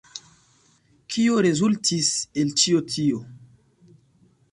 Kio rezultis el ĉio tio?